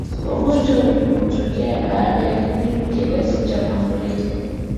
Ugonjwa hutokea baada ya kipindi kirefu cha maafuriko